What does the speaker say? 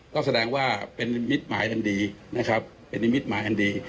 ก็แสดงว่าเป็นมิตรหมายทางดีนะครับเป็นมิตรหมายทางดี